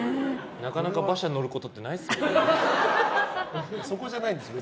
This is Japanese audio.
なかなか馬車乗ることってないですよね。